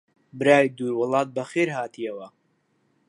برای دوور وڵات بەخێر هاتیەوە!